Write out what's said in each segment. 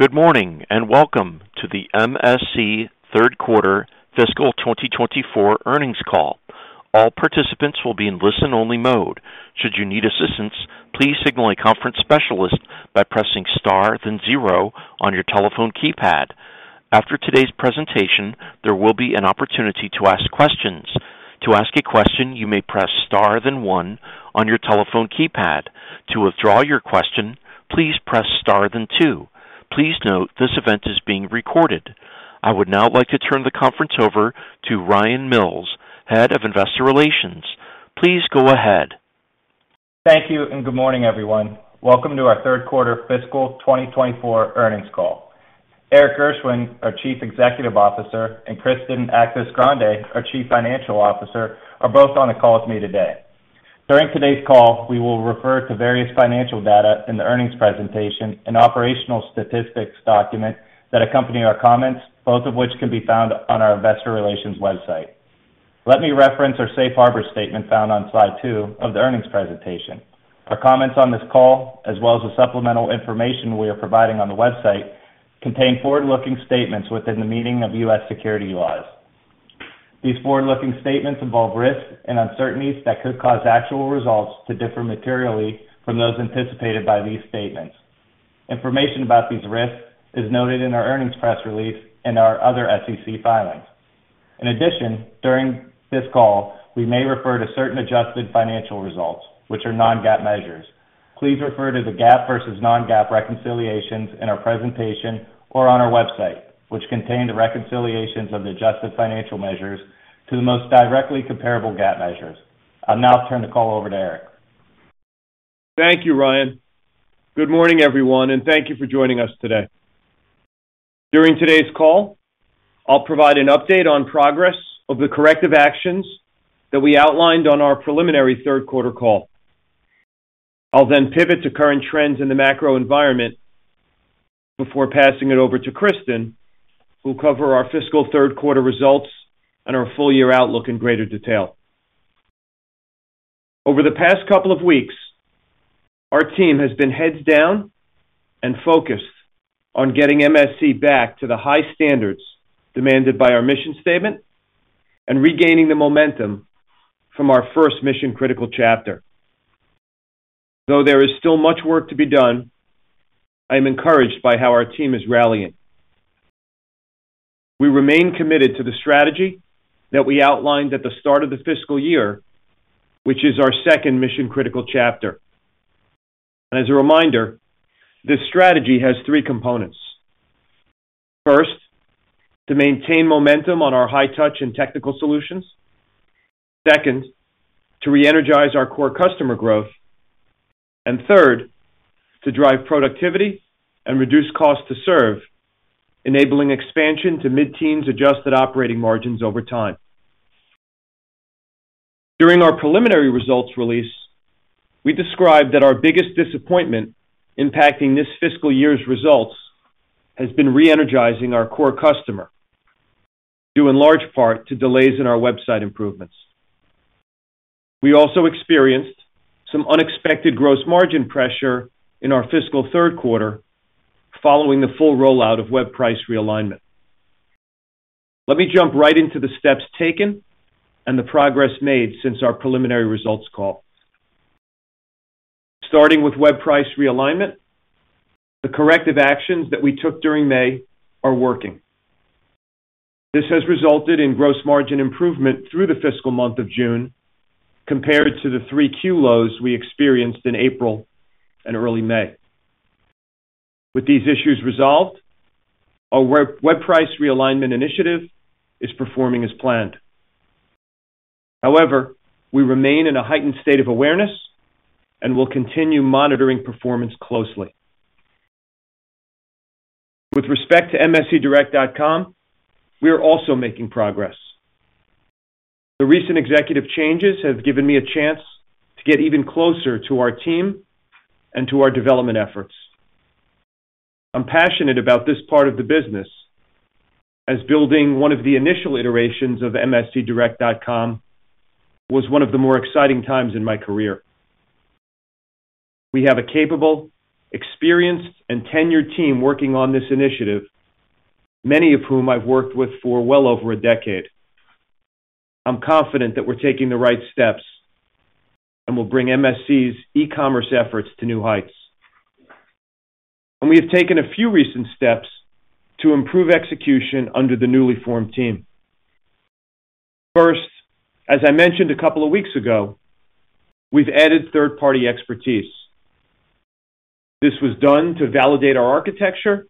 Good morning, and welcome to the MSC third quarter fiscal 2024 earnings call. All participants will be in listen-only mode. Should you need assistance, please signal a conference specialist by pressing star, then zero on your telephone keypad. After today's presentation, there will be an opportunity to ask questions. To ask a question, you may press star, then one on your telephone keypad. To withdraw your question, please press star, then two. Please note, this event is being recorded. I would now like to turn the conference over to Ryan Mills, Head of Investor Relations. Please go ahead. Thank you, and good morning, everyone. Welcome to our third quarter fiscal 2024 earnings call. Erik Gershwind, our Chief Executive Officer, and Kristen Actis-Grande, our Chief Financial Officer, are both on the call with me today. During today's call, we will refer to various financial data in the earnings presentation and operational statistics document that accompany our comments, both of which can be found on our investor relations website. Let me reference our safe harbor statement found on slide two of the earnings presentation. Our comments on this call, as well as the supplemental information we are providing on the website, contain forward-looking statements within the meaning of U.S. securities laws. These forward-looking statements involve risks and uncertainties that could cause actual results to differ materially from those anticipated by these statements. Information about these risks is noted in our earnings press release and our other SEC filings. In addition, during this call, we may refer to certain adjusted financial results, which are non-GAAP measures. Please refer to the GAAP versus non-GAAP reconciliations in our presentation or on our website, which contain the reconciliations of the adjusted financial measures to the most directly comparable GAAP measures. I'll now turn the call over to Erik. Thank you, Ryan. Good morning, everyone, and thank you for joining us today. During today's call, I'll provide an update on progress of the corrective actions that we outlined on our preliminary third quarter call. I'll then pivot to current trends in the macro environment before passing it over to Kristen, who'll cover our fiscal third quarter results and our full-year outlook in greater detail. Over the past couple of weeks, our team has been heads down and focused on getting MSC back to the high standards demanded by our mission statement and regaining the momentum from our first mission-critical chapter. Though there is still much work to be done, I am encouraged by how our team is rallying. We remain committed to the strategy that we outlined at the start of the fiscal year, which is our second mission-critical chapter. As a reminder, this strategy has three components. First, to maintain momentum on our high touch and technical solutions. Second, to reenergize our core customer growth. Third, to drive productivity and reduce cost to serve, enabling expansion to mid-teens adjusted operating margins over time. During our preliminary results release, we described that our biggest disappointment impacting this fiscal year's results has been reenergizing our core customer, due in large part to delays in our website improvements. We also experienced some unexpected gross margin pressure in our fiscal third quarter following the full rollout of web price realignment. Let me jump right into the steps taken and the progress made since our preliminary results call. Starting with web price realignment, the corrective actions that we took during May are working. This has resulted in gross margin improvement through the fiscal month of June compared to the 3Q lows we experienced in April and early May. With these issues resolved, our web price realignment initiative is performing as planned. However, we remain in a heightened state of awareness and will continue monitoring performance closely. With respect to mscdirect.com, we are also making progress. The recent executive changes have given me a chance to get even closer to our team and to our development efforts. I'm passionate about this part of the business, as building one of the initial iterations of mscdirect.com was one of the more exciting times in my career. We have a capable, experienced, and tenured team working on this initiative, many of whom I've worked with for well over a decade. I'm confident that we're taking the right steps and will bring MSC's e-commerce efforts to new heights. We have taken a few recent steps to improve execution under the newly formed team. First, as I mentioned a couple of weeks ago, we've added third-party expertise. This was done to validate our architecture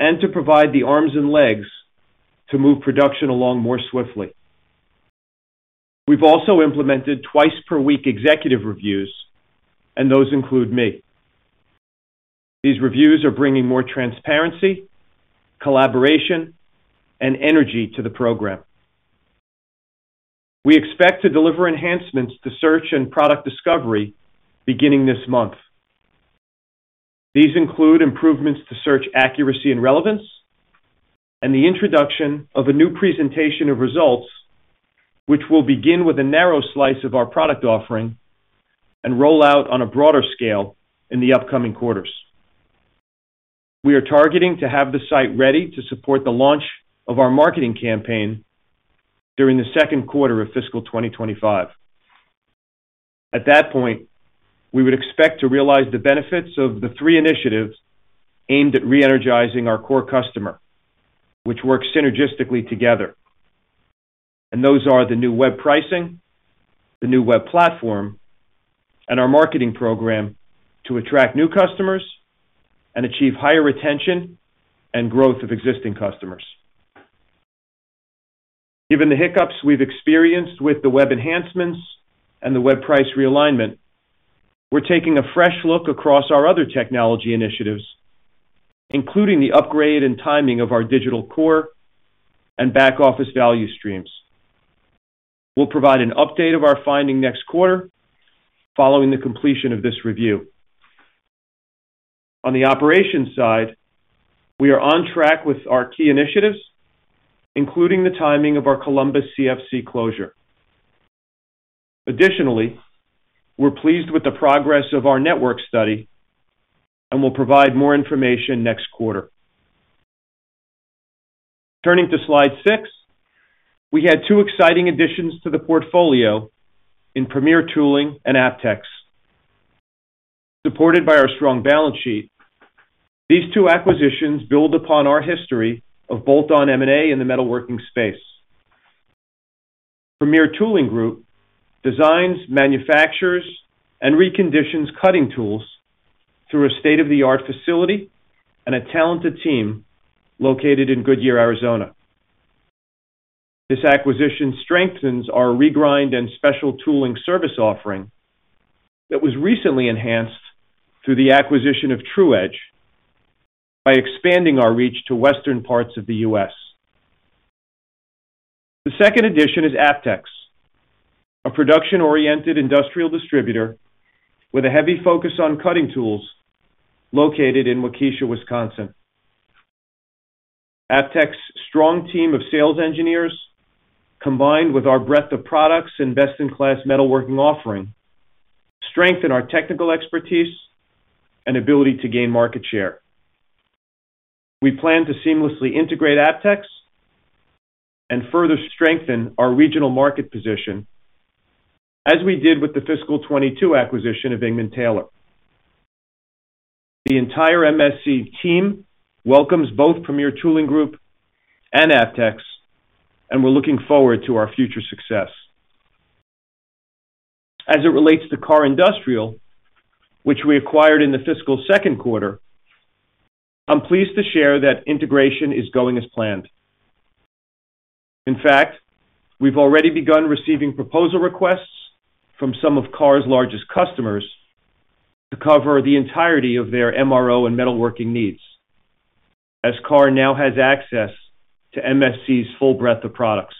and to provide the arms and legs to move production along more swiftly. We've also implemented twice per week executive reviews, and those include me. These reviews are bringing more transparency, collaboration, and energy to the program. We expect to deliver enhancements to search and product discovery beginning this month. These include improvements to search accuracy and relevance, and the introduction of a new presentation of results, which will begin with a narrow slice of our product offering and roll out on a broader scale in the upcoming quarters. We are targeting to have the site ready to support the launch of our marketing campaign during the second quarter of fiscal 2025. At that point, we would expect to realize the benefits of the three initiatives aimed at reenergizing our core customer, which works synergistically together. Those are the new web pricing, the new web platform, and our marketing program to attract new customers and achieve higher retention and growth of existing customers. Given the hiccups we've experienced with the web enhancements and the web price realignment, we're taking a fresh look across our other technology initiatives, including the upgrade and timing of our Digital Core and back-office value streams. We'll provide an update of our finding next quarter following the completion of this review. On the operations side, we are on track with our key initiatives, including the timing of our Columbus CFC closure. Additionally, we're pleased with the progress of our network study, and we'll provide more information next quarter. Turning to slide six, we had two exciting additions to the portfolio in Premier Tooling and ApTex. Supported by our strong balance sheet, these two acquisitions build upon our history of bolt-on M&A in the metalworking space. Premier Tooling Group designs, manufactures, and reconditions cutting tools through a state-of-the-art facility and a talented team located in Goodyear, Arizona. This acquisition strengthens our regrind and special tooling service offering that was recently enhanced through the acquisition of Tru-Edge by expanding our reach to western parts of the U.S. The second addition is ApTex, a production-oriented industrial distributor with a heavy focus on cutting tools located in Waukesha, Wisconsin. ApTex's strong team of sales engineers, combined with our breadth of products and best-in-class metalworking offering, strengthen our technical expertise and ability to gain market share. We plan to seamlessly integrate ApTex and further strengthen our regional market position as we did with the fiscal 2022 acquisition of Engman-Taylor. The entire MSC team welcomes both Premier Tooling Group and ApTex, and we're looking forward to our future success. As it relates to KAR Industrial, which we acquired in the fiscal second quarter, I'm pleased to share that integration is going as planned. In fact, we've already begun receiving proposal requests from some of KAR's largest customers to cover the entirety of their MRO and metalworking needs, as KAR now has access to MSC's full breadth of products.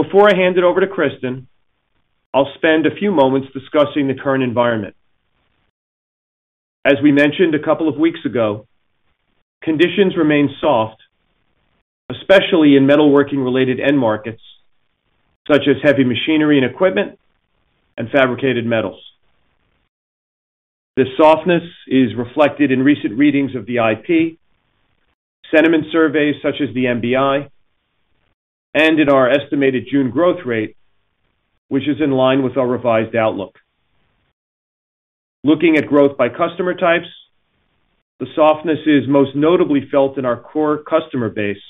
Before I hand it over to Kristen, I'll spend a few moments discussing the current environment. As we mentioned a couple of weeks ago, conditions remain soft, especially in metalworking-related end markets, such as heavy machinery and equipment and fabricated metals. This softness is reflected in recent readings of the IP, sentiment surveys such as the MBI, and in our estimated June growth rate, which is in line with our revised outlook. Looking at growth by customer types, the softness is most notably felt in our core customer base,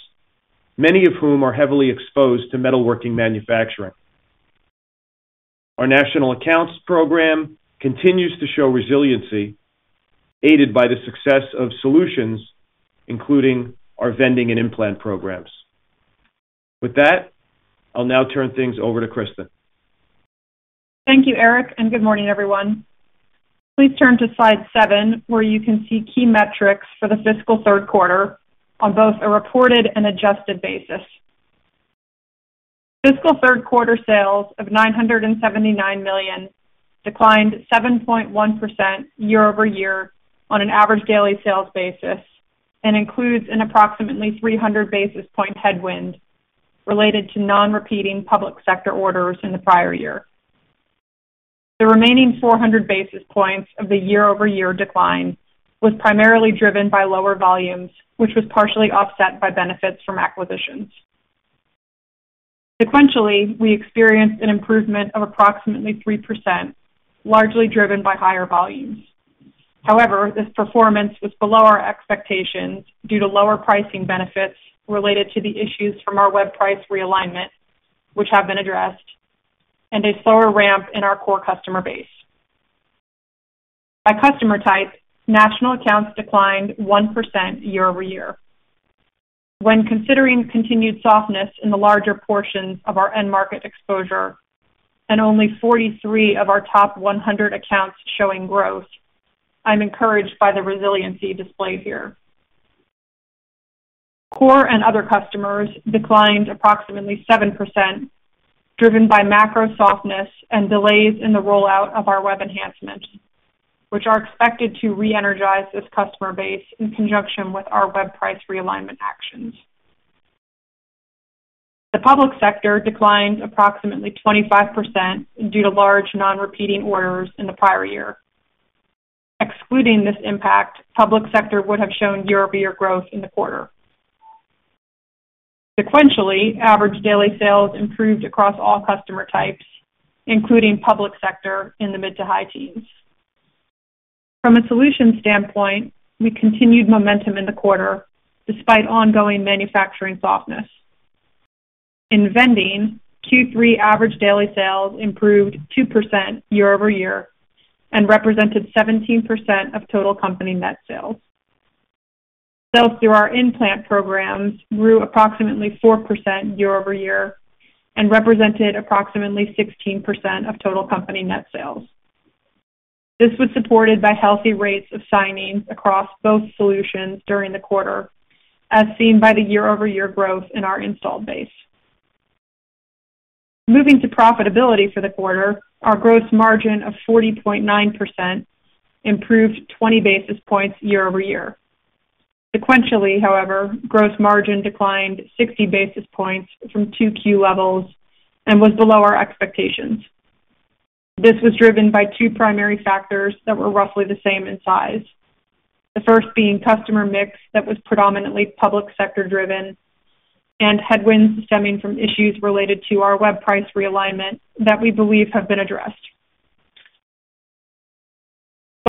many of whom are heavily exposed to metalworking manufacturing. Our national accounts program continues to show resiliency, aided by the success of solutions, including our vending and In-Plant programs. With that, I'll now turn things over to Kristen. Thank you, Erik, and good morning, everyone. Please turn to slide seven, where you can see key metrics for the fiscal third quarter on both a reported and adjusted basis. Fiscal third quarter sales of $979 million declined 7.1% year-over-year on an average daily sales basis and includes an approximately 300 basis point headwind related to non-repeating public sector orders in the prior year. The remaining 400 basis points of the year-over-year decline was primarily driven by lower volumes, which was partially offset by benefits from acquisitions. Sequentially, we experienced an improvement of approximately 3%, largely driven by higher volumes. However, this performance was below our expectations due to lower pricing benefits related to the issues from our web price realignment, which have been addressed, and a slower ramp in our core customer base. By customer type, national accounts declined 1% year-over-year. When considering continued softness in the larger portions of our end market exposure and only 43 of our top 100 accounts showing growth, I'm encouraged by the resiliency displayed here. Core and other customers declined approximately 7%, driven by macro softness and delays in the rollout of our web enhancement, which are expected to reenergize this customer base in conjunction with our web price realignment actions. The public sector declined approximately 25% due to large non-repeating orders in the prior year. Excluding this impact, public sector would have shown year-over-year growth in the quarter. Sequentially, average daily sales improved across all customer types, including public sector, in the mid- to high-teens. From a solution standpoint, we continued momentum in the quarter despite ongoing manufacturing softness. In vending, Q3 average daily sales improved 2% year-over-year and represented 17% of total company net sales. Sales through our In-Plant programs grew approximately 4% year-over-year and represented approximately 16% of total company net sales. This was supported by healthy rates of signing across both solutions during the quarter, as seen by the year-over-year growth in our installed base. Moving to profitability for the quarter, our gross margin of 40.9% improved 20 basis points year-over-year. Sequentially, however, gross margin declined 60 basis points from 2Q levels and was below our expectations. This was driven by two primary factors that were roughly the same in size. The first being customer mix, that was predominantly public sector-driven, and headwinds stemming from issues related to our web price realignment that we believe have been addressed.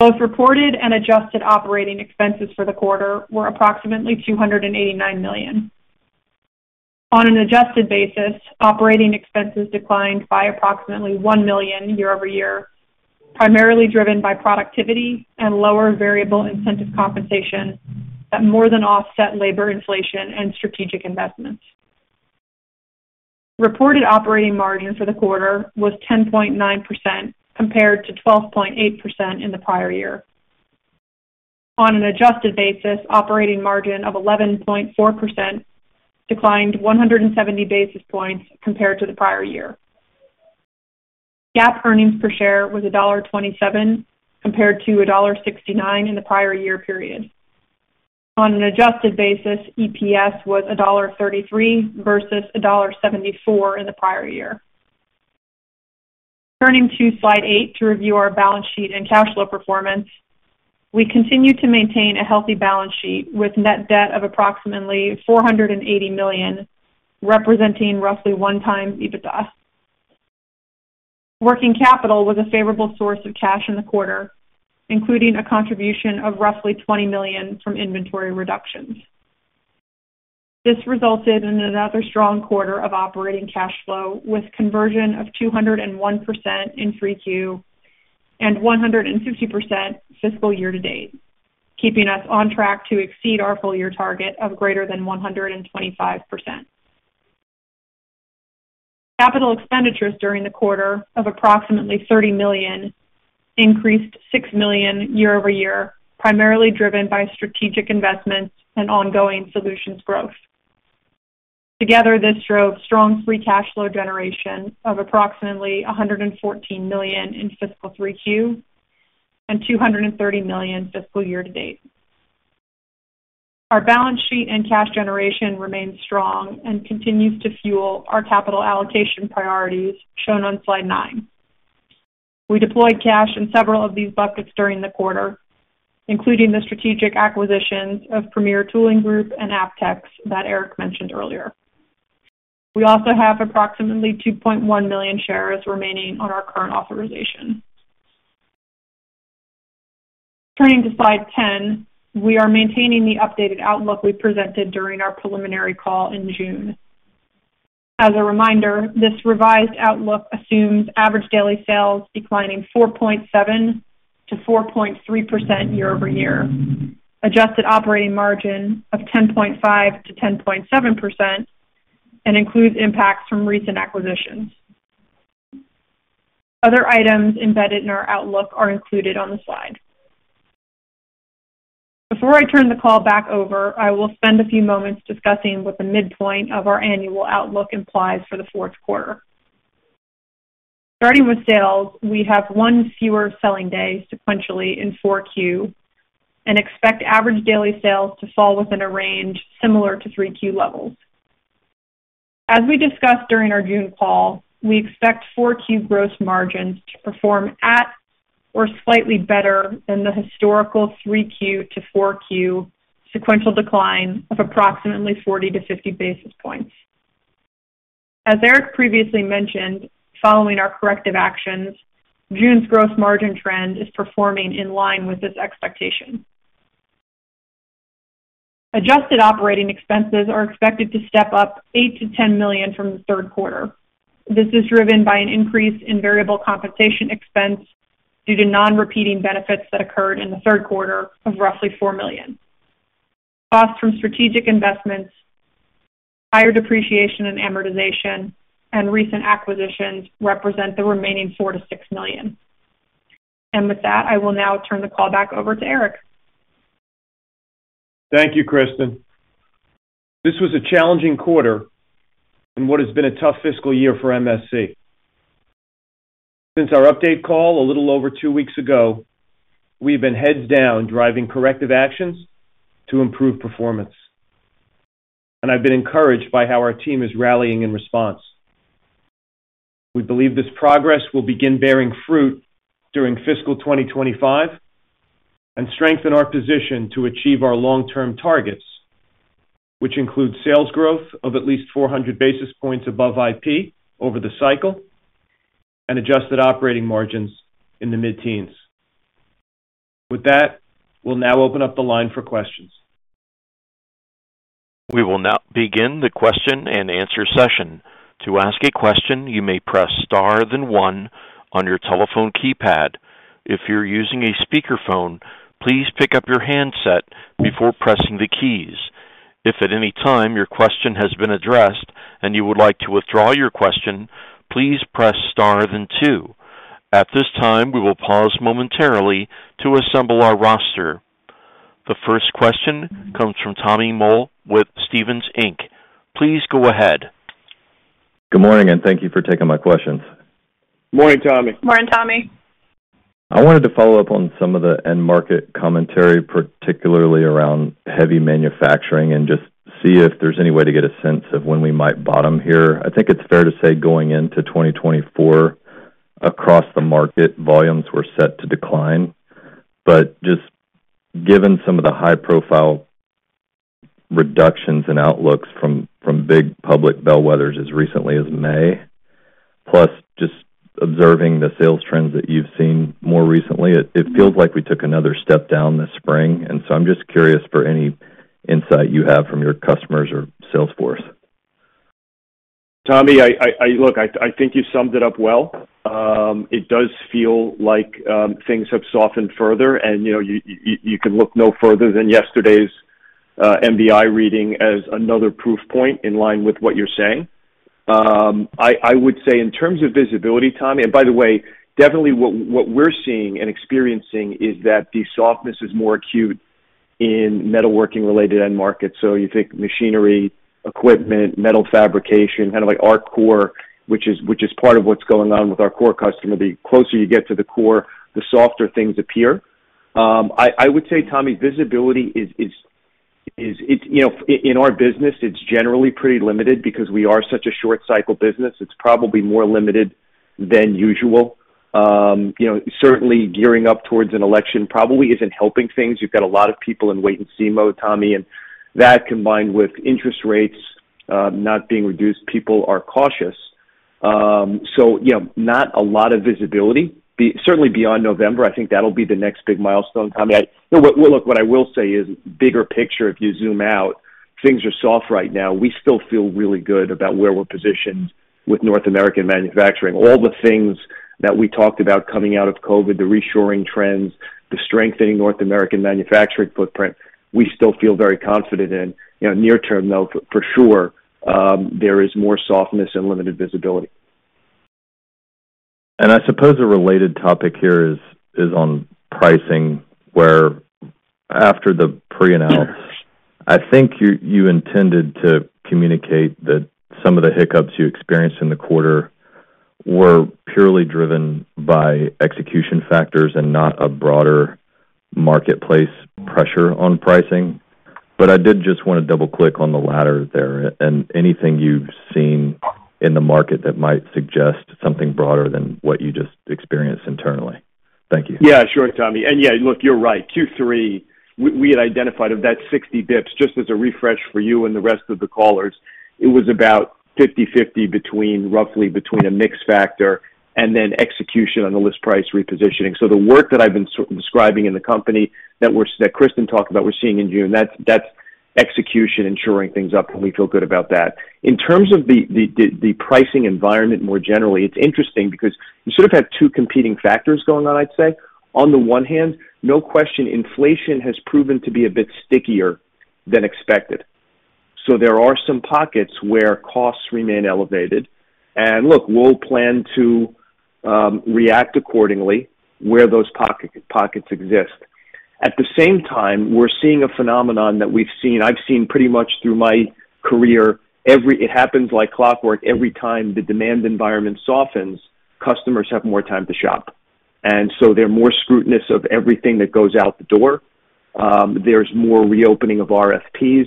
Both reported and adjusted operating expenses for the quarter were approximately $289 million. On an adjusted basis, operating expenses declined by approximately $1 million year-over-year, primarily driven by productivity and lower variable incentive compensation that more than offset labor inflation and strategic investments. Reported operating margin for the quarter was 10.9%, compared to 12.8% in the prior year. On an adjusted basis, operating margin of 11.4% declined 170 basis points compared to the prior year. GAAP earnings per share was $1.27, compared to $1.69 in the prior year period. On an adjusted basis, EPS was $1.33 versus $1.74 in the prior year. Turning to Slide eight to review our balance sheet and cash flow performance. We continue to maintain a healthy balance sheet, with net debt of approximately $480 million, representing roughly 1x EBITDA. Working capital was a favorable source of cash in the quarter, including a contribution of roughly $20 million from inventory reductions. This resulted in another strong quarter of operating cash flow, with conversion of 201% in 3Q and 150% fiscal year to date, keeping us on track to exceed our full year target of greater than 125%. Capital expenditures during the quarter of approximately $30 million increased $6 million year-over-year, primarily driven by strategic investments and ongoing solutions growth. Together, this drove strong free cash flow generation of approximately $114 million in fiscal 3Q and $230 million fiscal year to date. Our balance sheet and cash generation remains strong and continues to fuel our capital allocation priorities, shown on Slide nine. We deployed cash in several of these buckets during the quarter, including the strategic acquisitions of Premier Tooling Group and ApTex that Erik mentioned earlier. We also have approximately 2.1 million shares remaining on our current authorization. Turning to Slide 10, we are maintaining the updated outlook we presented during our preliminary call in June. As a reminder, this revised outlook assumes average daily sales declining 4.7%-4.3% year-over-year, adjusted operating margin of 10.5%-10.7% and includes impacts from recent acquisitions. Other items embedded in our outlook are included on the slide. Before I turn the call back over, I will spend a few moments discussing what the midpoint of our annual outlook implies for the fourth quarter. Starting with sales, we have one fewer selling day sequentially in 4Q and expect average daily sales to fall within a range similar to 3Q levels. As we discussed during our June call, we expect 4Q gross margins to perform at or slightly better than the historical 3Q to 4Q sequential decline of approximately 40-50 basis points. As Erik previously mentioned, following our corrective actions, June's gross margin trend is performing in line with this expectation. Adjusted operating expenses are expected to step up $8 million-$10 million from the third quarter. This is driven by an increase in variable compensation expense due to non-repeating benefits that occurred in the third quarter of roughly $4 million. Costs from strategic investments, higher depreciation and amortization, and recent acquisitions represent the remaining $4 million-$6 million. With that, I will now turn the call back over to Erik. Thank you, Kristen. This was a challenging quarter in what has been a tough fiscal year for MSC. Since our update call, a little over two weeks ago, we've been heads down, driving corrective actions to improve performance, and I've been encouraged by how our team is rallying in response. We believe this progress will begin bearing fruit during fiscal 2025 and strengthen our position to achieve our long-term targets, which include sales growth of at least 400 basis points above IP over the cycle and adjusted operating margins in the mid-teens. With that, we'll now open up the line for questions. We will now begin the question-and-answer session. To ask a question, you may press star, then one on your telephone keypad. If you're using a speakerphone, please pick up your handset before pressing the keys. If at any time your question has been addressed and you would like to withdraw your question, please press star, then two. At this time, we will pause momentarily to assemble our roster. The first question comes from Tommy Moll with Stephens Inc, Please go ahead. Good morning, and thank you for taking my questions. Morning, Tommy. Morning, Tommy. I wanted to follow up on some of the end market commentary, particularly around heavy manufacturing, and just see if there's any way to get a sense of when we might bottom here. I think it's fair to say, going into 2024, across the market, volumes were set to decline. But just given some of the high-profile reductions in outlooks from big public bellwethers as recently as May, plus just observing the sales trends that you've seen more recently, it feels like we took another step down this spring, and so I'm just curious for any insight you have from your customers or sales force. Tommy, look, I think you summed it up well. It does feel like things have softened further, and, you know, you can look no further than yesterday's MBI reading as another proof point in line with what you're saying. I would say in terms of visibility, Tommy, and by the way, definitely what we're seeing and experiencing is that the softness is more acute in metalworking-related end markets. So you think machinery, equipment, metal fabrication, kind of like our core, which is part of what's going on with our core customer. The closer you get to the core, the softer things appear. I would say, Tommy, visibility is, it's, you know, in our business, it's generally pretty limited because we are such a short cycle business. It's probably more limited than usual. You know, certainly gearing up towards an election probably isn't helping things. You've got a lot of people in wait-and-see mode, Tommy, and that, combined with interest rates not being reduced, people are cautious. So, you know, not a lot of visibility. Certainly beyond November, I think that'll be the next big milestone. Tommy, I—well, look, what I will say is bigger picture, if you zoom out, things are soft right now. We still feel really good about where we're positioned with North American manufacturing. All the things that we talked about coming out of COVID, the reshoring trends, the strengthening North American manufacturing footprint, we still feel very confident in. You know, near term, though, for sure, there is more softness and limited visibility. I suppose a related topic here is on pricing, where after the pre-announce, I think you intended to communicate that some of the hiccups you experienced in the quarter were purely driven by execution factors and not a broader marketplace pressure on pricing. But I did just want to double-click on the latter there and anything you've seen in the market that might suggest something broader than what you just experienced internally. Thank you. Yeah, sure, Tommy. And yeah, look, you're right. Q3, we had identified of that 60 bips, just as a refresh for you and the rest of the callers, it was about 50/50 between, roughly between a mix factor and then execution on the list price repositioning. So the work that I've been sort of describing in the company that we're, that Kristen talked about, we're seeing in June, that's execution and shoring things up, and we feel good about that. In terms of the pricing environment, more generally, it's interesting because you sort of have two competing factors going on, I'd say. On the one hand, no question, inflation has proven to be a bit stickier than expected. So there are some pockets where costs remain elevated, and look, we'll plan to react accordingly where those pockets exist. At the same time, we're seeing a phenomenon that we've seen, I've seen pretty much through my career. It happens like clockwork. Every time the demand environment softens, customers have more time to shop, and so they're more scrutinous of everything that goes out the door. There's more reopening of RFPs.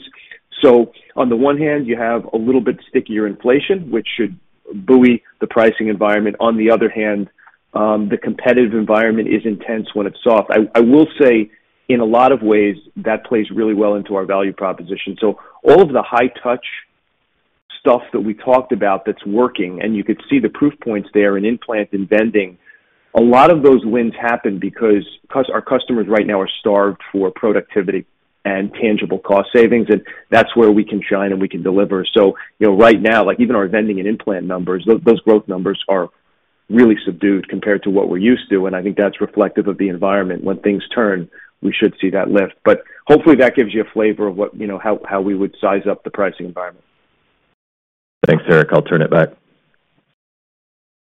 So on the one hand, you have a little bit stickier inflation, which should buoy the pricing environment. On the other hand, the competitive environment is intense when it's soft. I will say, in a lot of ways, that plays really well into our value proposition. So all of the high touch stuff that we talked about that's working, and you could see the proof points there in In-Plant and vending. A lot of those wins happen because our customers right now are starved for productivity and tangible cost savings, and that's where we can shine, and we can deliver. So, you know, right now, like even our vending and In-Plant numbers, those growth numbers are really subdued compared to what we're used to, and I think that's reflective of the environment. When things turn, we should see that lift. But hopefully, that gives you a flavor of what, you know, how, how we would size up the pricing environment. Thanks, Erik. I'll turn it back.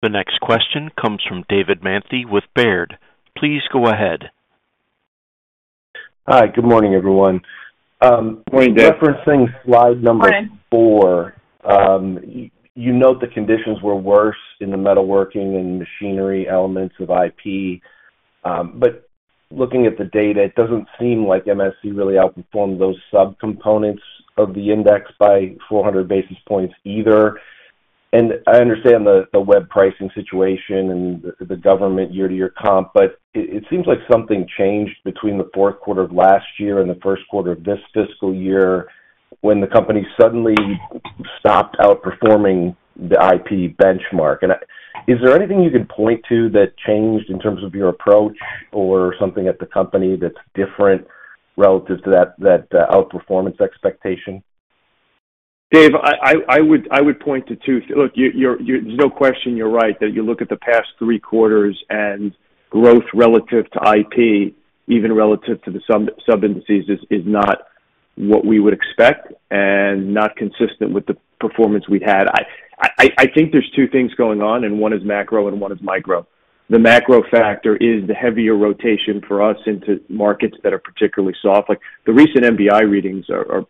The next question comes from David Manthey with Baird. Please go ahead. Hi, good morning, everyone. Good morning, Dave. Referencing slide number four, you note the conditions were worse in the metalworking and machinery elements of IP. But looking at the data, it doesn't seem like MSC really outperformed those subcomponents of the index by 400 basis points either. And I understand the web pricing situation and the government year-to-year comp, but it seems like something changed between the fourth quarter of last year and the first quarter of this fiscal year, when the company suddenly stopped outperforming the IP benchmark. And is there anything you can point to that changed in terms of your approach or something at the company that's different relative to that outperformance expectation? Dave, I would point to two. Look, you're right, that you look at the past three quarters and growth relative to IP, even relative to the sub-subindices, is not what we would expect and not consistent with the performance we've had. I think there's two things going on, and one is macro, and one is micro. The macro factor is the heavier rotation for us into markets that are particularly soft. Like, the recent MBI readings are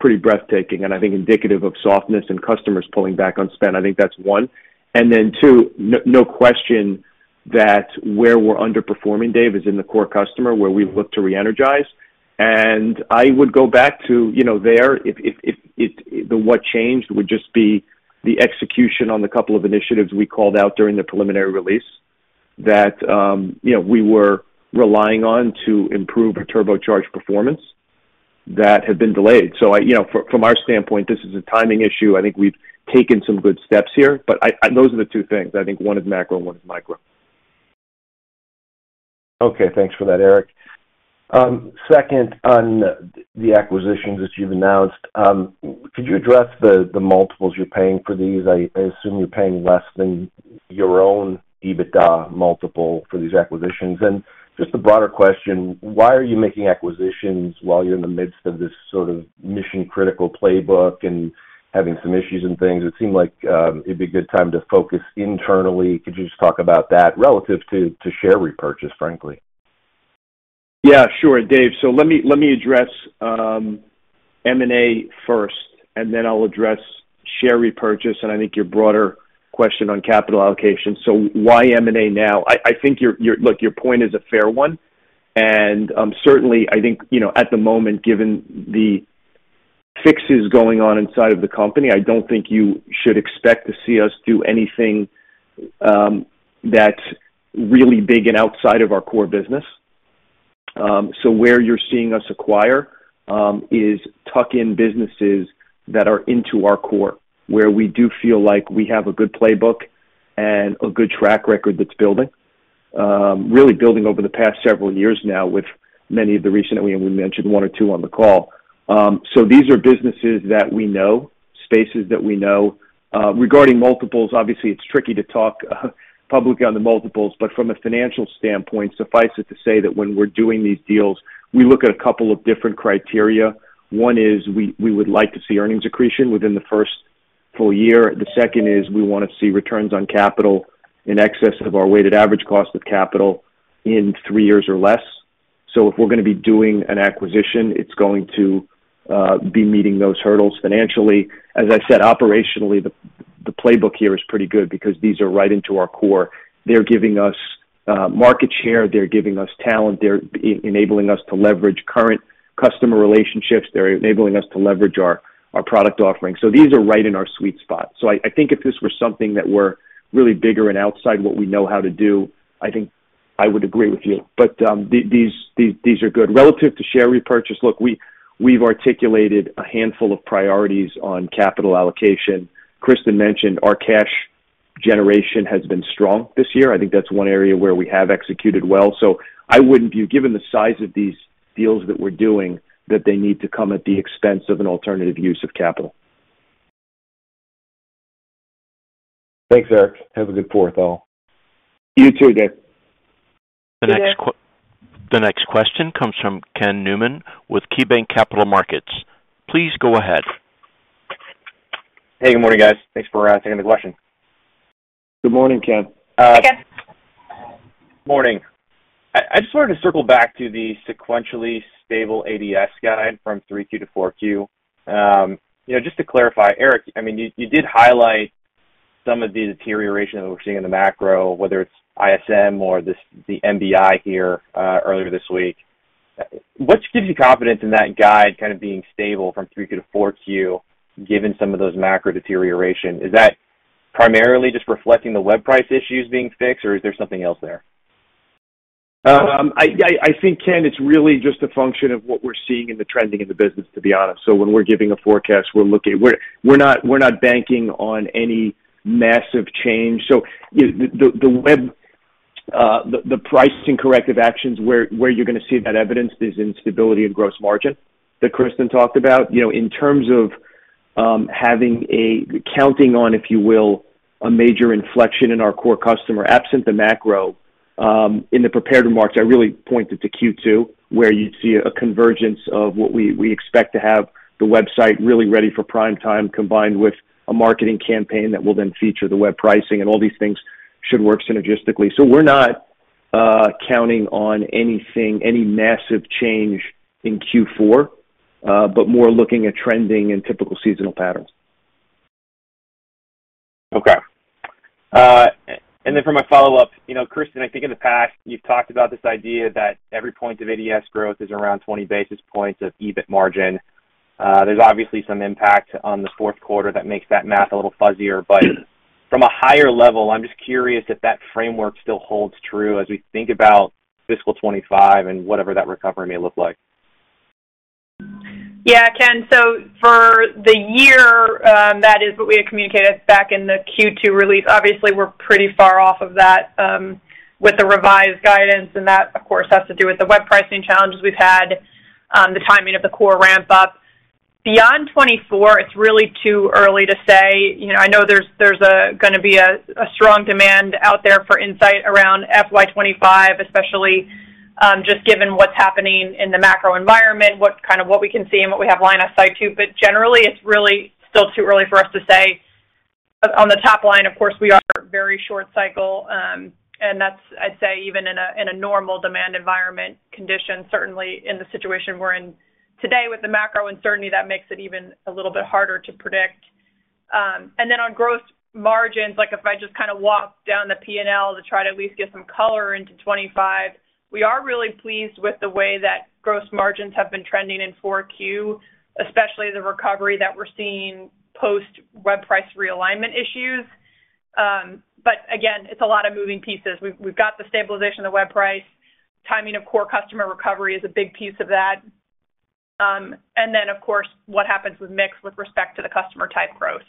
pretty breathtaking and I think indicative of softness and customers pulling back on spend. I think that's one. And then two, no question that where we're underperforming, Dave, is in the core customer, where we look to reenergize. I would go back to, you know, there, if the what changed would just be the execution on the couple of initiatives we called out during the preliminary release, that you know, we were relying on to improve a turbocharged performance that had been delayed. So I, you know, from our standpoint, this is a timing issue. I think we've taken some good steps here, but I, those are the two things. I think one is macro, and one is micro. Okay, thanks for that, Erik. Second, on the acquisitions that you've announced, could you address the multiples you're paying for these? I assume you're paying less than your own EBITDA multiple for these acquisitions. And just a broader question, why are you making acquisitions while you're in the midst of this sort of mission-critical playbook and having some issues and things? It seemed like it'd be a good time to focus internally. Could you just talk about that relative to share repurchase, frankly? Yeah, sure, Dave. So let me, let me address M&A first, and then I'll address share repurchase, and I think your broader question on capital allocation. So why M&A now? I think your-- look, your point is a fair one, and certainly, I think, you know, at the moment, given the fixes going on inside of the company, I don't think you should expect to see us do anything that's really big and outside of our core business. So where you're seeing us acquire is tuck in businesses that are into our core, where we do feel like we have a good playbook and a good track record that's building. Really building over the past several years now, with many of the recent that we mentioned, one or two on the call. So these are businesses that we know, spaces that we know. Regarding multiples, obviously, it's tricky to talk publicly on the multiples, but from a financial standpoint, suffice it to say that when we're doing these deals, we look at a couple of different criteria. One is we would like to see earnings accretion within the first full year. The second is we wanna see returns on capital in excess of our weighted average cost of capital in three years or less. So if we're gonna be doing an acquisition, it's going to be meeting those hurdles financially. As I said, operationally, the playbook here is pretty good because these are right into our core. They're giving us market share, they're giving us talent, they're enabling us to leverage current customer relationships. They're enabling us to leverage our product offerings. So these are right in our sweet spot. So I think if this were something that were really bigger and outside what we know how to do, I think I would agree with you, but these are good. Relative to share repurchase, look, we've articulated a handful of priorities on capital allocation. Kristen mentioned our cash generation has been strong this year. I think that's one area where we have executed well. So I wouldn't view, given the size of these deals that we're doing, that they need to come at the expense of an alternative use of capital. Thanks, Erik. Have a good fourth, all. You too, Dave. The next question comes from Ken Newman with KeyBanc Capital Markets. Please go ahead. Hey, good morning, guys. Thanks for asking the question. Good morning, Ken. Hey, Ken. Morning. I just wanted to circle back to the sequentially stable ADS guide from 3Q to 4Q. You know, just to clarify, Erik, I mean, you, you did highlight some of the deterioration that we're seeing in the macro, whether it's ISM or this, the MBI here, earlier this week. What gives you confidence in that guide kind of being stable from 3Q to 4Q, given some of those macro deterioration? Is that primarily just reflecting the web price issues being fixed, or is there something else there? I think, Ken, it's really just a function of what we're seeing in the trends in the business, to be honest. So when we're giving a forecast, we're looking, we're not banking on any massive change. So the web pricing corrective actions, where you're gonna see that evidence is in stability and gross margin that Kristen talked about. You know, in terms of counting on, if you will, a major inflection in our core customer, absent the macro, in the prepared remarks, I really pointed to Q2, where you'd see a convergence of what we expect to have the website really ready for prime time, combined with a marketing campaign that will then feature the web pricing, and all these things should work synergistically. So we're not counting on anything, any massive change in Q4, but more looking at trending and typical seasonal patterns. Okay. And then for my follow-up, you know, Kristen, I think in the past, you've talked about this idea that every point of ADS growth is around 20 basis points of EBIT margin. There's obviously some impact on the fourth quarter that makes that math a little fuzzier. But from a higher level, I'm just curious if that framework still holds true as we think about fiscal 2025 and whatever that recovery may look like. Yeah, Ken, so for the year, that is what we had communicated back in the Q2 release. Obviously, we're pretty far off of that, with the revised guidance, and that, of course, has to do with the web pricing challenges we've had, the timing of the core ramp up. Beyond 2024, it's really too early to say. You know, I know there's, there's, gonna be a, a strong demand out there for insight around FY 2025, especially, just given what's happening in the macro environment, what kind of what we can see and what we have line of sight to. But generally, it's really still too early for us to say. On the top line, of course, we are very short cycle, and that's I'd say, even in a normal demand environment conditions, certainly in the situation we're in today, with the macro uncertainty, that makes it even a little bit harder to predict. And then on gross margins, like if I just kinda walk down the P&L to try to at least get some color into 25, we are really pleased with the way that gross margins have been trending in Q4, especially the recovery that we're seeing post-web price realignment issues. But again, it's a lot of moving pieces. We've got the stabilization of the web price. Timing of core customer recovery is a big piece of that. And then, of course, what happens with mix with respect to the customer type growth,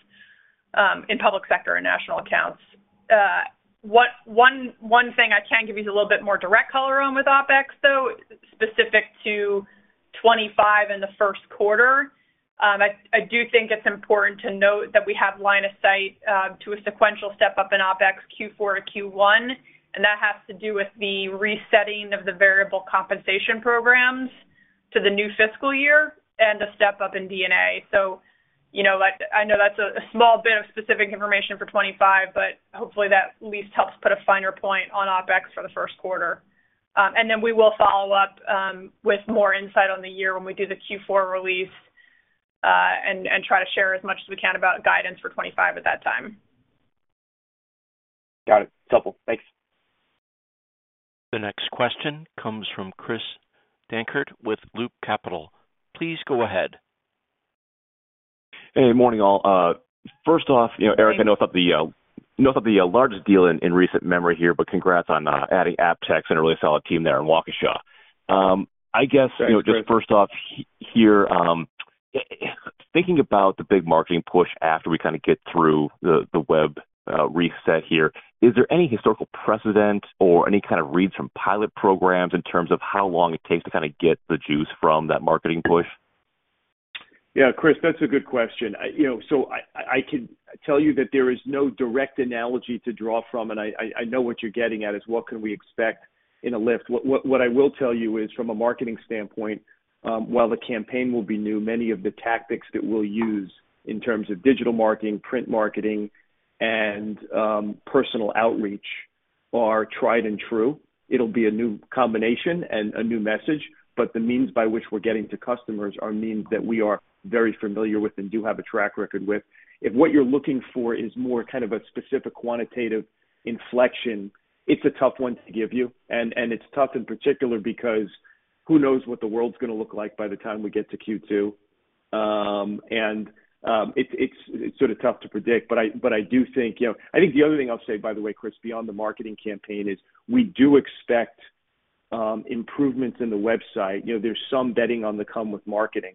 in public sector and national accounts. One thing I can give you is a little bit more direct color on with OpEx, though, specific to 25 in the first quarter. I do think it's important to note that we have line of sight to a sequential step up in OpEx Q4 to Q1, and that has to do with the resetting of the variable compensation programs to the new fiscal year and a step up in D&A. So, you know, like, I know that's a small bit of specific information for 25, but hopefully, that at least helps put a finer point on OpEx for the first quarter. And then we will follow up with more insight on the year when we do the Q4 release, and try to share as much as we can about guidance for 25 at that time. Got it. Helpful. Thanks. The next question comes from Chris Dankert, with Loop Capital. Please go ahead. Hey, morning, all. First off, you know, Erik, I know it's not the, not the largest deal in recent memory here, but congrats on adding ApTex and a really solid team there in Waukesha. I guess, you know, just first off here, thinking about the big marketing push after we kinda get through the web reset here, is there any historical precedent or any kind of reads from pilot programs in terms of how long it takes to kinda get the juice from that marketing push? Yeah, Chris, that's a good question. I, you know, so I can tell you that there is no direct analogy to draw from, and I know what you're getting at is, what can we expect in a lift? What I will tell you is, from a marketing standpoint, while the campaign will be new, many of the tactics that we'll use in terms of digital marketing, print marketing, and personal outreach are tried and true. It'll be a new combination and a new message, but the means by which we're getting to customers are means that we are very familiar with and do have a track record with. If what you're looking for is more kind of a specific quantitative inflection, it's a tough one to give you. And it's tough in particular because who knows what the world's gonna look like by the time we get to Q2? And it's sort of tough to predict, but I do think, you know... I think the other thing I'll say, by the way, Chris, beyond the marketing campaign, is we do expect improvements in the website. You know, there's some betting on the come with marketing,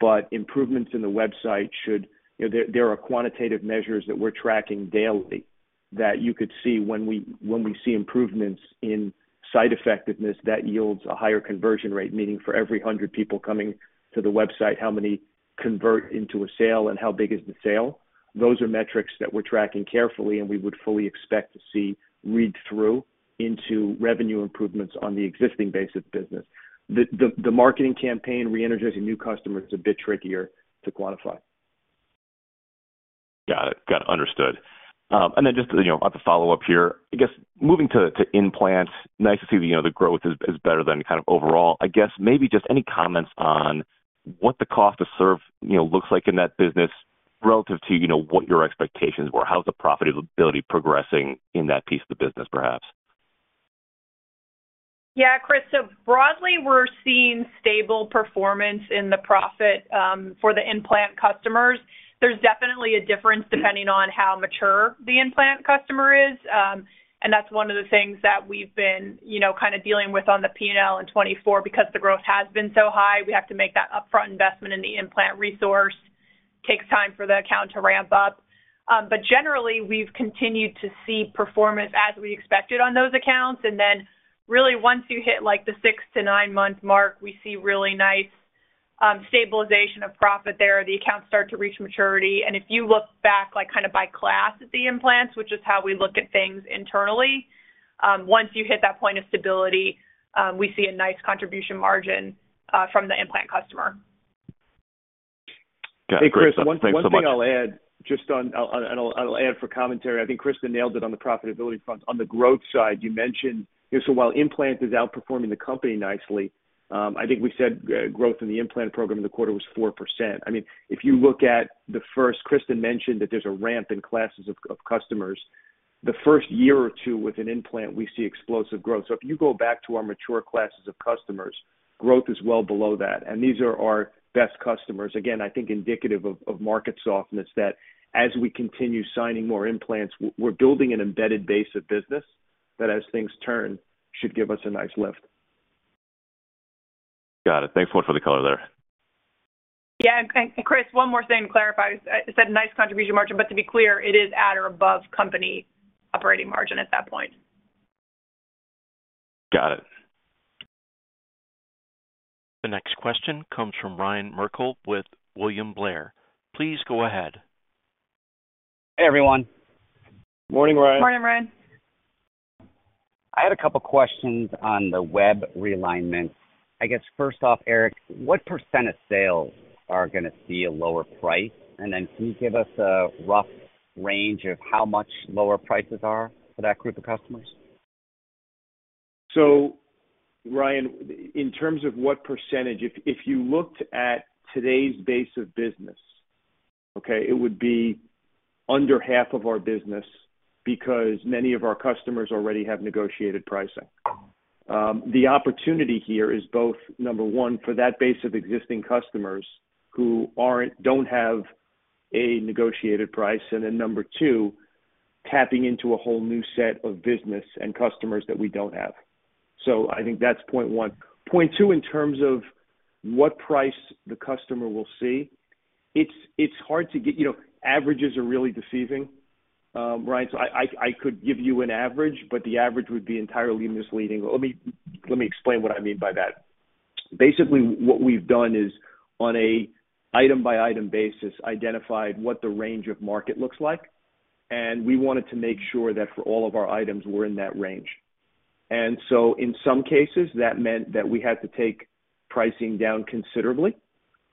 but improvements in the website should. You know, there are quantitative measures that we're tracking daily that you could see when we see improvements in site effectiveness, that yields a higher conversion rate, meaning for every hundred people coming to the website, how many convert into a sale and how big is the sale? Those are metrics that we're tracking carefully, and we would fully expect to see read through into revenue improvements on the existing base of business. The marketing campaign, re-energizing new customers, is a bit trickier to quantify. Got it. Got it. Understood. And then just, you know, on the follow-up here, I guess moving to, to In-Plants, nice to see that, you know, the growth is, is better than kind of overall. I guess, maybe just any comments on what the cost to serve, you know, looks like in that business relative to, you know, what your expectations were. How's the profitability progressing in that piece of the business, perhaps? Yeah, Chris. So broadly, we're seeing stable performance in the profit for the In-Plant customers. There's definitely a difference depending on how mature the In-Plant customer is. And that's one of the things that we've been, you know, kind of dealing with on the P&L in 2024, because the growth has been so high. We have to make that upfront investment in the In-Plant resource. It takes time for the account to ramp up. But generally, we've continued to see performance as we expected on those accounts. And then really once you hit, like, the six- to nine-month mark, we see really nice stabilization of profit there. The accounts start to reach maturity, and if you look back, like, kind of by class at the In-Plants, which is how we look at things internally, we see a nice contribution margin from the In-Plant customer. Got it. Great. Thanks so much. Hey, Chris, one thing I'll add just on and I'll add for commentary. I think Kristen nailed it on the profitability front. On the growth side, you mentioned, so while In-Plant is outperforming the company nicely, I think we said growth in the In-Plant program in the quarter was 4%. I mean, if you look at the first, Kristen mentioned that there's a ramp in classes of customers. The first year or two with an In-Plant, we see explosive growth. So if you go back to our mature classes of customers, growth is well below that, and these are our best customers. Again, I think indicative of market softness, that as we continue signing more In-Plants, we're building an embedded base of business that, as things turn, should give us a nice lift. Got it. Thanks a lot for the color there. Yeah, Chris, one more thing to clarify. I said nice contribution margin, but to be clear, it is at or above company operating margin at that point. Got it. The next question comes from Ryan Merkel with William Blair. Please go ahead. Hey, everyone. Morning, Ryan. Morning, Ryan. I had a couple questions on the web realignment. I guess first off, Erik, what % of sales are gonna see a lower price? And then can you give us a rough range of how much lower prices are for that group of customers? So Ryan, in terms of what percentage, if you looked at today's base of business, okay, it would be under half of our business because many of our customers already have negotiated pricing. The opportunity here is both, number one, for that base of existing customers who don't have a negotiated price, and then number two, tapping into a whole new set of business and customers that we don't have. So I think that's point one. Point two, in terms of what price the customer will see, it's hard to get. You know, averages are really deceiving, Ryan, so I could give you an average, but the average would be entirely misleading. Let me explain what I mean by that. Basically, what we've done is, on an item-by-item basis, identified what the range of market looks like, and we wanted to make sure that for all of our items, we're in that range. So in some cases, that meant that we had to take pricing down considerably.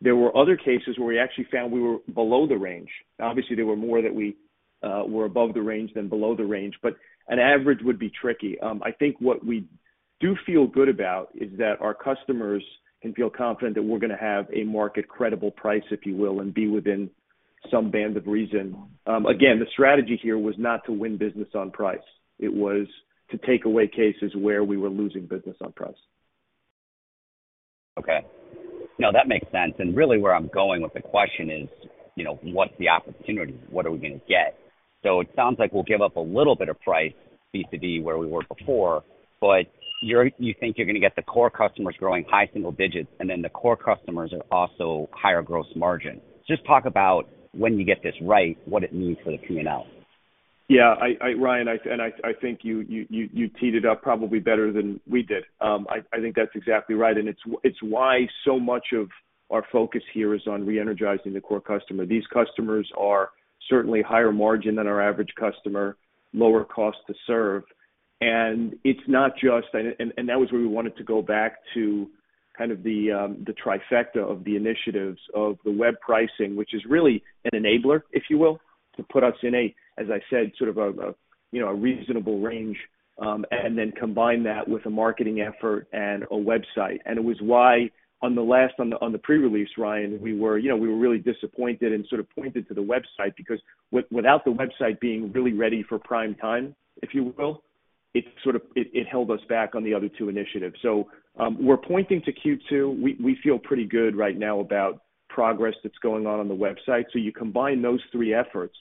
There were other cases where we actually found we were below the range. Obviously, there were more that we were above the range than below the range, but an average would be tricky. I think what we do feel good about is that our customers can feel confident that we're gonna have a market-credible price, if you will, and be within some band of reason. Again, the strategy here was not to win business on price. It was to take away cases where we were losing business on price. Okay. No, that makes sense, and really where I'm going with the question is, you know, what's the opportunity? What are we gonna get? So it sounds like we'll give up a little bit of price vis-a-vis where we were before, but you think you're gonna get the core customers growing high single digits, and then the core customers are also higher gross margin. Just talk about when you get this right, what it means for the P&L. Yeah, Ryan, I think you teed it up probably better than we did. I think that's exactly right, and it's why so much of our focus here is on reenergizing the core customer. These customers are certainly higher margin than our average customer, lower cost to serve. And it's not just... And that was where we wanted to go back to kind of the trifecta of the initiatives of the web pricing, which is really an enabler, if you will, to put us in a, as I said, sort of a, you know, a reasonable range, and then combine that with a marketing effort and a website. And that was why on the last pre-release, Ryan, we were, you know, really disappointed and sort of pointed to the website, because without the website being really ready for prime time, if you will, it sort of held us back on the other two initiatives. So, we're pointing to Q2. We feel pretty good right now about progress that's going on on the website. So you combine those three efforts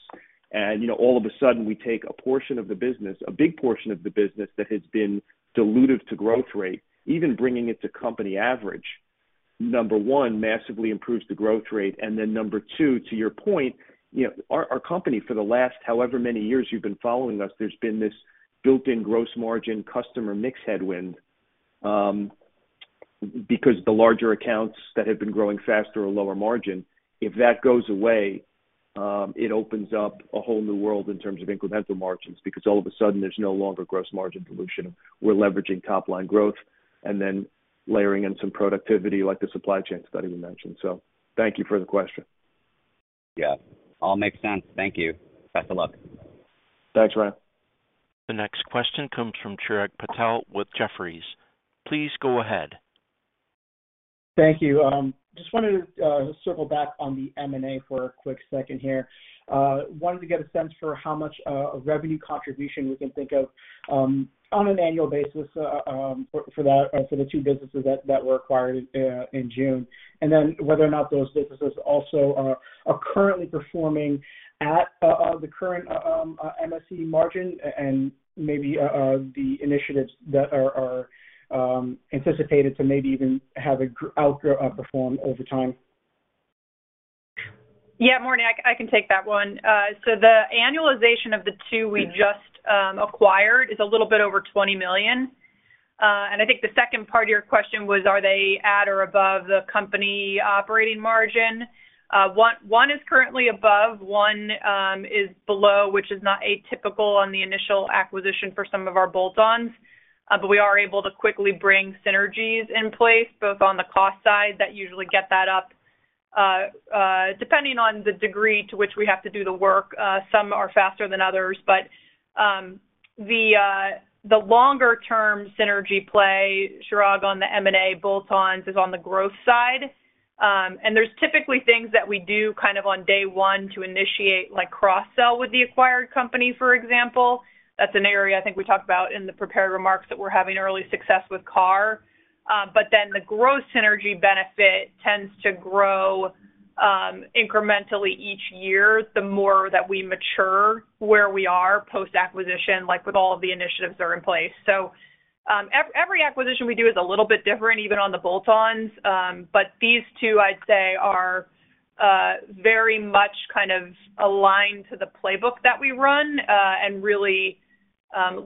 and, you know, all of a sudden we take a portion of the business, a big portion of the business that has been dilutive to growth rate, even bringing it to company average, number one, massively improves the growth rate. Then number two, to your point, you know, our company for the last however many years you've been following us, there's been this built-in gross margin customer mix headwind, because the larger accounts that have been growing faster are lower margin. If that goes away, it opens up a whole new world in terms of incremental margins, because all of a sudden, there's no longer gross margin dilution. We're leveraging top-line growth and then layering in some productivity, like the supply chain study we mentioned. So thank you for the question. Yeah, all makes sense. Thank you. Best of luck. Thanks, Ryan. The next question comes from Chirag Patel with Jefferies. Please go ahead. Thank you. Just wanted to circle back on the M&A for a quick second here. Wanted to get a sense for how much a revenue contribution we can think of on an annual basis for the two businesses that were acquired in June. And then whether or not those businesses also are currently performing at the current MSC margin and maybe the initiatives that are anticipated to maybe even outperform over time?... Yeah, morning, I can take that one. So the annualization of the two we just acquired is a little bit over $20 million. And I think the second part of your question was, are they at or above the company operating margin? One is currently above, one is below, which is not atypical on the initial acquisition for some of our bolt-ons. But we are able to quickly bring synergies in place, both on the cost side, that usually get that up. Depending on the degree to which we have to do the work, some are faster than others. But the longer term synergy play, Chirag, on the M&A bolt-ons, is on the growth side. And there's typically things that we do kind of on day one to initiate, like cross-sell with the acquired company, for example. That's an area I think we talked about in the prepared remarks, that we're having early success with KAR. But then the growth synergy benefit tends to grow incrementally each year, the more that we mature where we are post-acquisition, like with all of the initiatives that are in place. So every acquisition we do is a little bit different, even on the bolt-ons. But these two, I'd say, are very much kind of aligned to the playbook that we run and really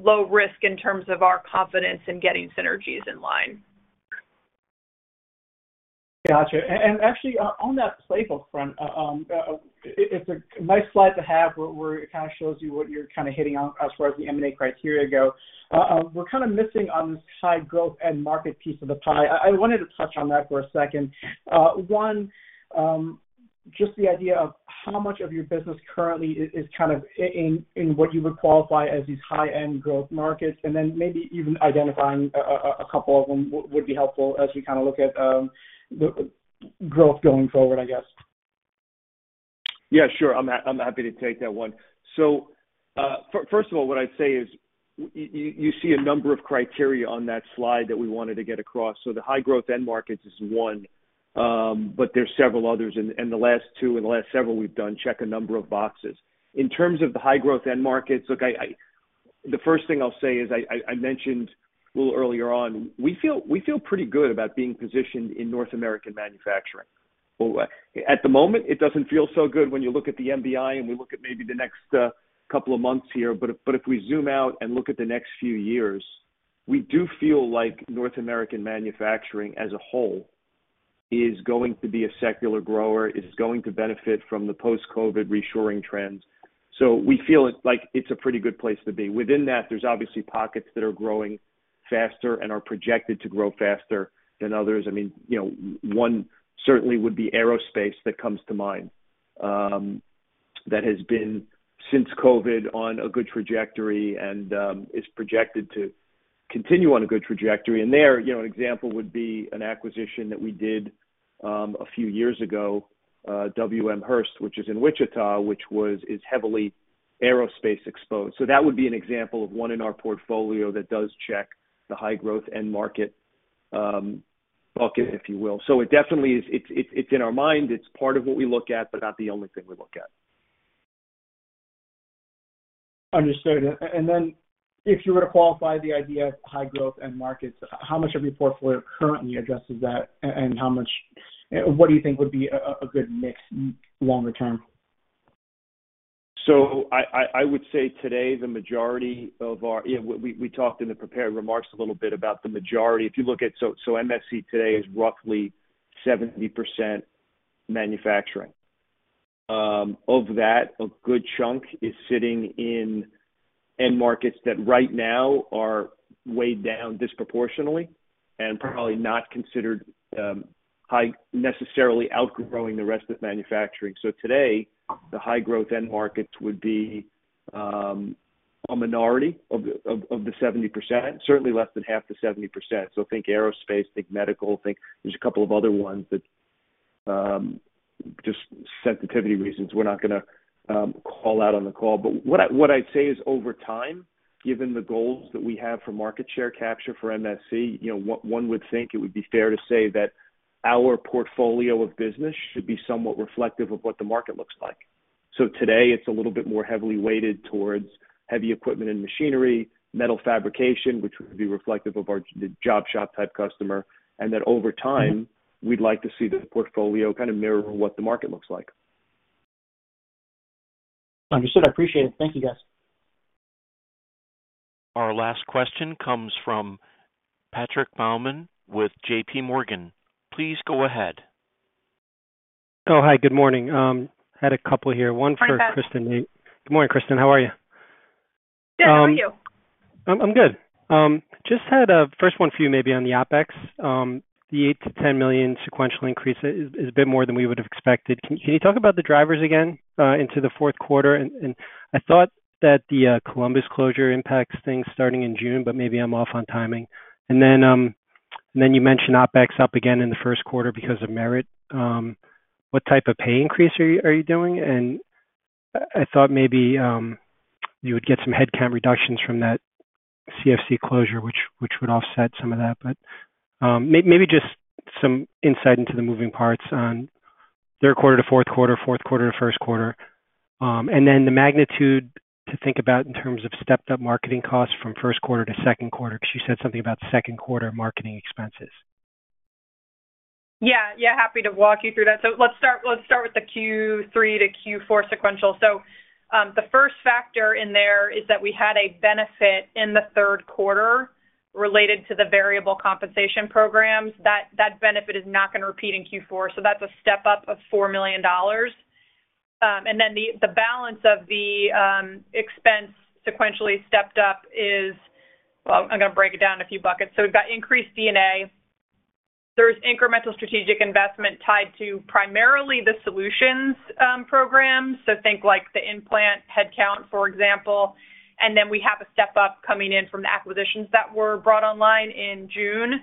low risk in terms of our confidence in getting synergies in line. Gotcha. And, and actually, on that playbook front, it's a nice slide to have, where it kind of shows you what you're kind of hitting on as far as the M&A criteria go. We're kind of missing on this high growth and market piece of the pie. I wanted to touch on that for a second. Just the idea of how much of your business currently is kind of in what you would qualify as these high-end growth markets, and then maybe even identifying a couple of them would be helpful as we kind of look at the growth going forward, I guess. Yeah, sure. I'm happy to take that one. So, first of all, what I'd say is you see a number of criteria on that slide that we wanted to get across. So the high growth end markets is one, but there's several others, and the last two and the last several we've done check a number of boxes. In terms of the high growth end markets, look, the first thing I'll say is I mentioned a little earlier on, we feel we feel pretty good about being positioned in North American manufacturing. Well, at the moment, it doesn't feel so good when you look at the MBI and we look at maybe the next couple of months here, but if, but if we zoom out and look at the next few years, we do feel like North American manufacturing as a whole is going to be a secular grower, is going to benefit from the post-COVID reshoring trends. So we feel it, like it's a pretty good place to be. Within that, there's obviously pockets that are growing faster and are projected to grow faster than others. I mean, you know, one certainly would be aerospace that comes to mind, that has been, since COVID, on a good trajectory and, is projected to continue on a good trajectory. There, you know, an example would be an acquisition that we did a few years ago, Wm. F. Hurst, which is in Wichita, which was, is heavily aerospace exposed. So that would be an example of one in our portfolio that does check the high growth end market bucket, if you will. So it definitely is. It's, it's, it's in our mind, it's part of what we look at, but not the only thing we look at. Understood. And then if you were to qualify the idea of high growth end markets, how much of your portfolio currently addresses that, and how much, what do you think would be a good mix longer term? So I would say today, the majority of our. Yeah, we talked in the prepared remarks a little bit about the majority. If you look at, so MSC today is roughly 70% manufacturing. Of that, a good chunk is sitting in end markets that right now are weighed down disproportionately and probably not considered high- necessarily outgrowing the rest of manufacturing. So today, the high growth end markets would be a minority of the 70%, certainly less than half the 70%. So think aerospace, think medical, think there's a couple of other ones that just sensitivity reasons we're not gonna call out on the call. But what I'd say is over time, given the goals that we have for market share capture for MSC, you know, one would think it would be fair to say that our portfolio of business should be somewhat reflective of what the market looks like. So today it's a little bit more heavily weighted towards heavy equipment and machinery, metal fabrication, which would be reflective of our, the job shop type customer, and that over time, we'd like to see the portfolio kind of mirror what the market looks like. Understood. I appreciate it. Thank you, guys. Our last question comes from Patrick Baumann with JPMorgan. Please go ahead. Oh, hi, good morning. Had a couple here. Morning, Pat. One for Kristen. Good morning, Kristen. How are you? Good. How are you? I'm good. Just had a first one for you, maybe on the OpEx. The $8 million-$10 million sequential increase is a bit more than we would have expected. Can you talk about the drivers again into the fourth quarter? And I thought that the Columbus closure impacts things starting in June, but maybe I'm off on timing. And then you mentioned OpEx up again in the first quarter because of merit. What type of pay increase are you doing? And I thought maybe you would get some headcount reductions from that CFC closure, which would offset some of that. But maybe just some insight into the moving parts on third quarter to fourth quarter, fourth quarter to first quarter. And then the magnitude to think about in terms of stepped-up marketing costs from first quarter to second quarter, because you said something about second quarter marketing expenses?... Yeah, yeah, happy to walk you through that. So let's start with the Q3 to Q4 sequential. So, the first factor in there is that we had a benefit in the third quarter related to the variable compensation programs. That benefit is not gonna repeat in Q4, so that's a step up of $4 million. And then the balance of the expense sequentially stepped up is... Well, I'm gonna break it down in a few buckets. So we've got increased D&A. There's incremental strategic investment tied to primarily the solutions program. So think like the In-Plant headcount, for example, and then we have a step up coming in from the acquisitions that were brought online in June.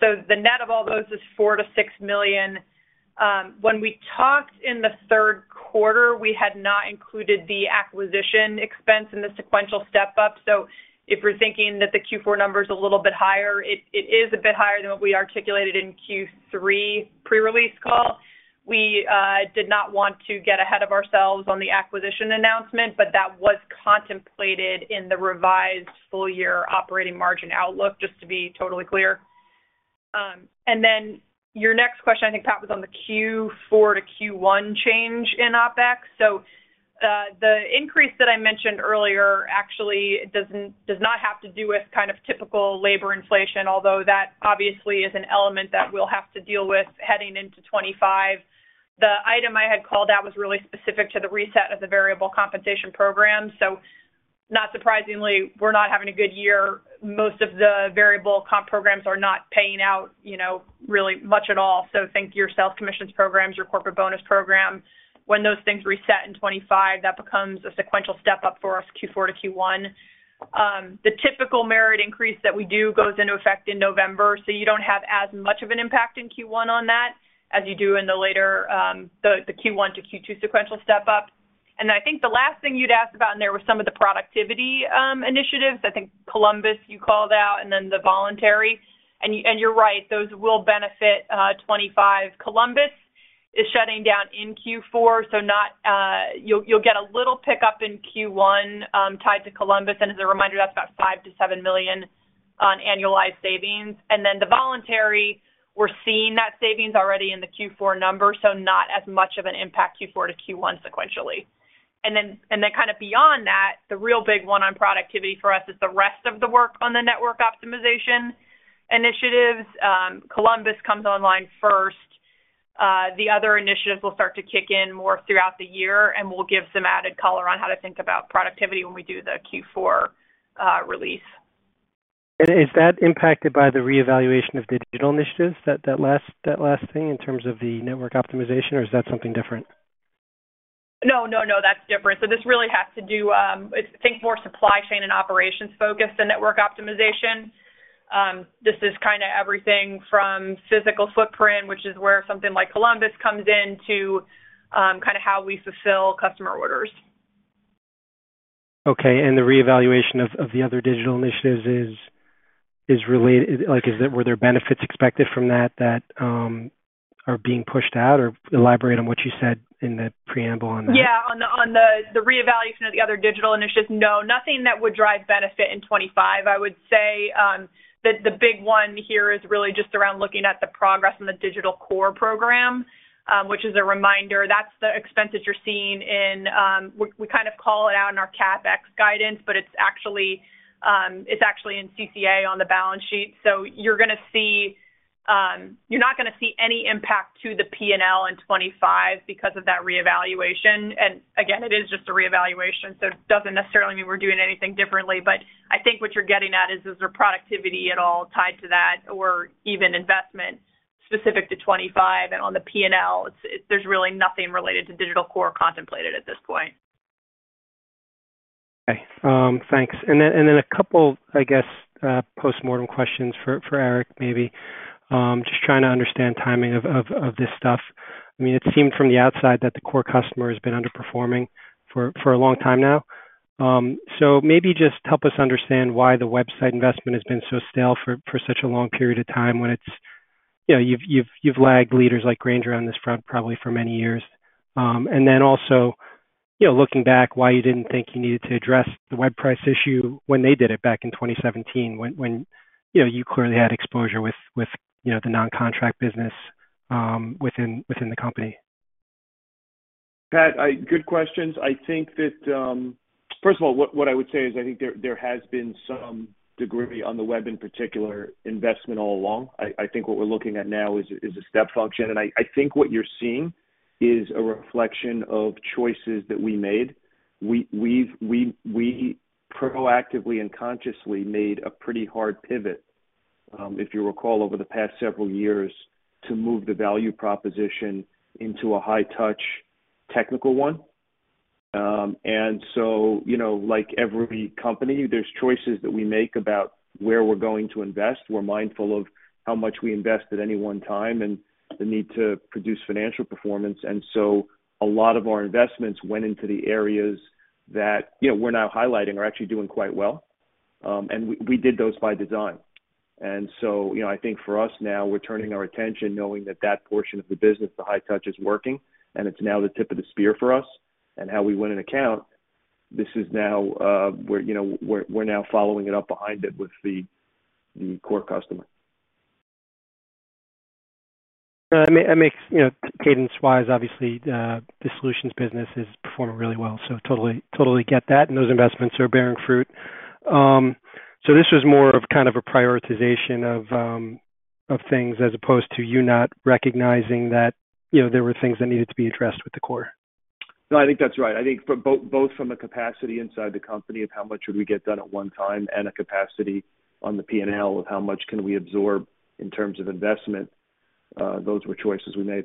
So the net of all those is $4 million-$6 million. When we talked in the third quarter, we had not included the acquisition expense in the sequential step-up. So if we're thinking that the Q4 number is a little bit higher, it is a bit higher than what we articulated in Q3 pre-release call. We did not want to get ahead of ourselves on the acquisition announcement, but that was contemplated in the revised full year operating margin outlook, just to be totally clear. And then your next question, I think, Pat, was on the Q4 to Q1 change in OpEx. So, the increase that I mentioned earlier actually does not have to do with kind of typical labor inflation, although that obviously is an element that we'll have to deal with heading into 25. The item I had called out was really specific to the reset of the variable compensation program, so not surprisingly, we're not having a good year. Most of the variable comp programs are not paying out, you know, really much at all. So think your sales commissions programs, your corporate bonus program. When those things reset in 2025, that becomes a sequential step up for us, Q4 to Q1. The typical merit increase that we do goes into effect in November, so you don't have as much of an impact in Q1 on that as you do in the later, the Q1 to Q2 sequential step up. And I think the last thing you'd asked about in there was some of the productivity initiatives. I think Columbus, you called out, and then the voluntary. And you're right, those will benefit 2025. Columbus is shutting down in Q4, so not, you'll get a little pickup in Q1, tied to Columbus, and as a reminder, that's about $5 million-$7 million on annualized savings. And then the voluntary, we're seeing that savings already in the Q4 number, so not as much of an impact, Q4 to Q1 sequentially. And then kind of beyond that, the real big one on productivity for us is the rest of the work on the network optimization initiatives. Columbus comes online first. The other initiatives will start to kick in more throughout the year, and we'll give some added color on how to think about productivity when we do the Q4 release. Is that impacted by the reevaluation of digital initiatives, that last thing in terms of the network optimization, or is that something different? No, no, no, that's different. So this really has to do, think more supply chain and operations focused than network optimization. This is kinda everything from physical footprint, which is where something like Columbus comes in, to, kinda how we fulfill customer orders. Okay, and the reevaluation of the other digital initiatives is related... Like, is there—were there benefits expected from that that are being pushed out? Or elaborate on what you said in the preamble on that. Yeah, on the reevaluation of the other digital initiatives, no, nothing that would drive benefit in 25. I would say that the big one here is really just around looking at the progress in the Digital Core program, which is a reminder, that's the expense that you're seeing in... We kind of call it out in our CapEx guidance, but it's actually in CIP on the balance sheet. So you're gonna see, you're not gonna see any impact to the P&L in 25 because of that reevaluation. And again, it is just a reevaluation, so it doesn't necessarily mean we're doing anything differently. But I think what you're getting at is there productivity at all tied to that or even investment specific to 25? On the P&L, it's, there's really nothing related to Digital Core contemplated at this point. Okay, thanks. Then a couple, I guess, postmortem questions for Erik maybe. Just trying to understand timing of this stuff. I mean, it seemed from the outside that the core customer has been underperforming for a long time now. So maybe just help us understand why the website investment has been so stale for such a long period of time, when it's, you know, you've lagged leaders like Grainger on this front probably for many years. And then also, you know, looking back, why you didn't think you needed to address the web price issue when they did it back in 2017, when, you know, you clearly had exposure with, you know, the non-contract business within the company? Pat, good questions. I think that, first of all, what I would say is I think there has been some degree, on the web in particular, investment all along. I think what we're looking at now is a step function, and I think what you're seeing is a reflection of choices that we made. We've proactively and consciously made a pretty hard pivot, if you recall, over the past several years, to move the value proposition into a high-touch technical one. And so, you know, like every company, there's choices that we make about where we're going to invest. We're mindful of how much we invest at any one time and the need to produce financial performance, and so a lot of our investments went into the areas that, you know, we're now highlighting, are actually doing quite well. And we did those by design. And so, you know, I think for us now, we're turning our attention, knowing that that portion of the business, the high touch, is working, and it's now the tip of the spear for us. And how we win an account, this is now, we're, you know, we're now following it up behind it with the core customer. That makes, you know, cadence-wise, obviously, the solutions business is performing really well, so totally, totally get that, and those investments are bearing fruit. So this was more of kind of a prioritization of, of things, as opposed to you not recognizing that, you know, there were things that needed to be addressed with the core? No, I think that's right. I think for both, both from a capacity inside the company of how much should we get done at one time, and a capacity on the P&L of how much can we absorb in terms of investment, those were choices we made.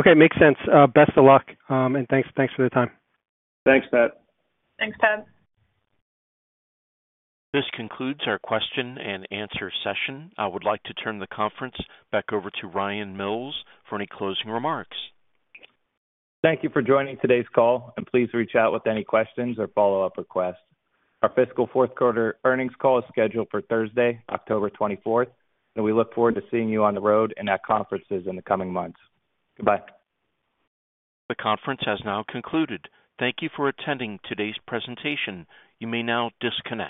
Okay, makes sense. Best of luck, and thanks, thanks for the time. Thanks, Pat. Thanks, Pat. This concludes our question and answer session. I would like to turn the conference back over to Ryan Mills for any closing remarks. Thank you for joining today's call, and please reach out with any questions or follow-up requests. Our fiscal fourth quarter earnings call is scheduled for Thursday, October 24th, and we look forward to seeing you on the road and at conferences in the coming months. Goodbye. The conference has now concluded. Thank you for attending today's presentation. You may now disconnect.